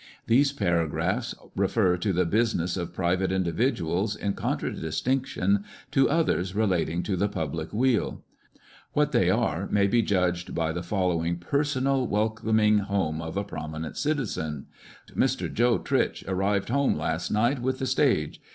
These paragraphs refer to the business of private individuals in contradis tinction to others relating to the public weal. What they are, may be judged by the following " personal" welcoming home of a prominent citizen :" Mr. Joe Tritch arrived home last night with the stage.